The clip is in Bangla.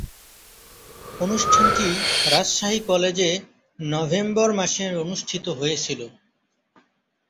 অনুষ্ঠানটি রাজশাহী কলেজে নভেম্বর মাসে অনুষ্ঠিত হয়েছিলো।